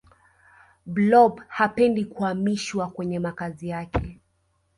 blob hapendi kuamishwa kwenye makazi yake